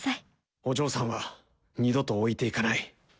お嬢さんは二度と置いていかない。